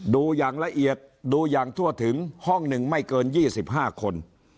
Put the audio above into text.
ดูอย่างละเอียดดูอย่างทั่วถึงห้องหนึ่งไม่เกิน๒๕คน